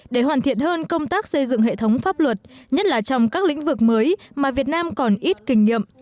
để hoàn thiện hơn công tác xây dựng hệ thống pháp luật nhất là trong các lĩnh vực mới mà việt nam còn ít kinh nghiệm